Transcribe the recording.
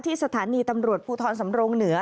สถานีตำรวจภูทรสำรงเหนือ